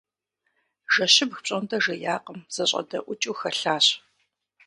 Жэщыбг пщӏондэ жеякъым - зэщӏэдэӏукӏыу хэлъащ.